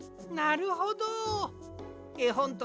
なるほど。